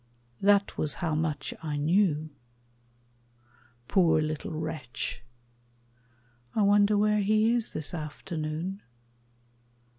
That was how much I knew. Poor little wretch! I wonder where he is This afternoon.